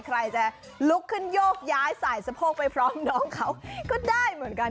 ใครจะลุกขึ้นโยกย้ายสายสะโพกไปพร้อมน้องเขาก็ได้เหมือนกัน